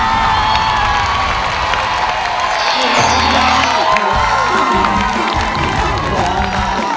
ในวันที่๓มูลค่า๔๐๐๐๐บาท